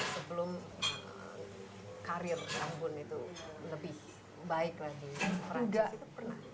sebelum karir anggun itu lebih baik lagi di perancis itu pernah